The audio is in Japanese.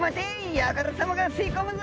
ヤガラさまが吸い込むぞ！」。